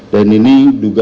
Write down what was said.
dan ini juga